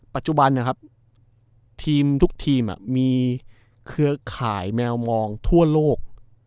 ปัจจุบันนะครับทีมทุกทีมมีเครือข่ายแมวมองทั่วโลก